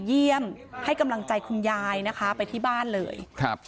เยี่ยมให้กำลังใจคุณยายนะคะไปที่บ้านเลยครับ